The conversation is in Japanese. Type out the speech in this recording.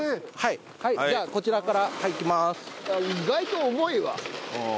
じゃあこちらからはい行きます。